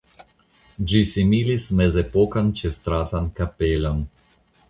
Ĝi similis mezepokan ĉestratan kapelon.